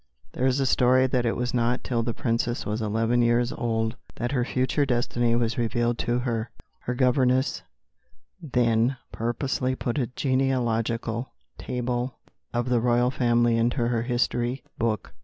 There is a story that it was not till the Princess was eleven years old that her future destiny was revealed to her. Her governess then purposely put a genealogical table of the royal family into her history book.